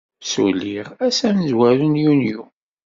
Ssulliɣ ass amezwaru n Yunyu.